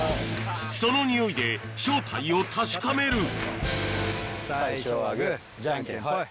そのニオイで正体を確かめる最初はグジャンケンホイ。